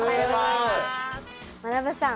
まなぶさん